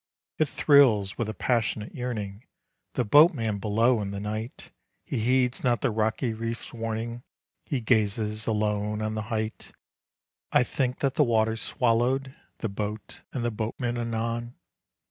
It thrills with a passionate yearning The boatman below in the night. He heeds not the rocky reef's warning, He gazes alone on the height. I think that the waters swallowed The boat and the boatman anon.